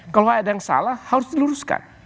kalau ada yang salah harus diluruskan